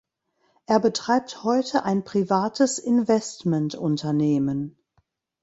Er betreibt heute ein privates Investment-Unternehmen.